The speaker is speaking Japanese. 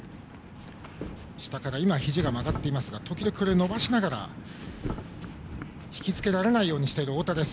今はひじが曲がっていますが時々伸ばしながらひきつけられないようにしている太田です。